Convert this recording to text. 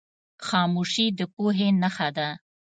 خاموشي، د پوهې نښه ده.